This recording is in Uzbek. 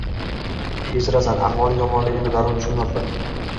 “Kechirasan, ahvoling yomonligini darrov tushunmabman.